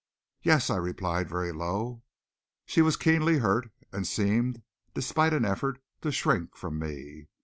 "Yes," I replied very low. She was keenly hurt and seemed, despite an effort, to shrink from me.